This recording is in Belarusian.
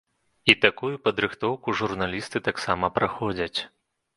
І такую падрыхтоўку журналісты таксама праходзяць.